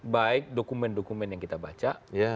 baik dokumen dokumen yang kita baca